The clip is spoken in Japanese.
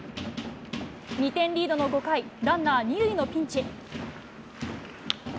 ２点リードの５回、ランナー２塁のピンチ。